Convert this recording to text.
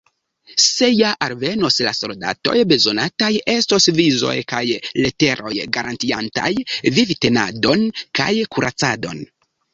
Se ja alvenos la soldatoj, bezonataj estos vizoj kaj leteroj garantiantaj vivtenadon kaj kuracadon.